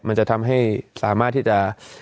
มันจะทำให้สามารถที่จะ